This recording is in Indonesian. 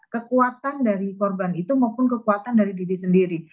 kekuatan dari korban itu maupun kekuatan dari diri sendiri